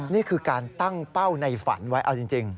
นี่คือการตั้งเป้าในฝันไว้เอาจริง